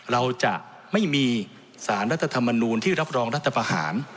เราจะไม่มีสารรัฐธรรมนูลที่รับรองรัฐประหาร